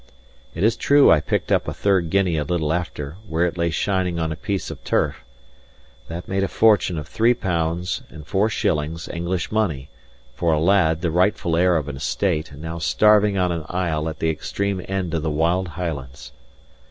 It is true I picked up a third guinea a little after, where it lay shining on a piece of turf. That made a fortune of three pounds and four shillings, English money, for a lad, the rightful heir of an estate, and now starving on an isle at the extreme end of the wild Highlands.